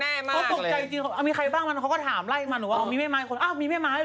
แน่มากเลยเขาตกใจจริงมีใครบ้างมันเขาก็ถามไล่มันหรือว่ามีแม่ม้าด้วยหรือ